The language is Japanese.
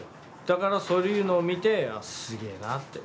だからそういうのを見て「あすげえな」って。